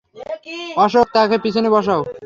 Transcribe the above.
অশোক, তাকে পিছনে বসাও।